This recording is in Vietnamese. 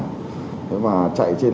và chạy trên cái nền tảng